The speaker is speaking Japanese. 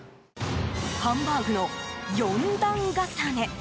ハンバーグの４段重ね。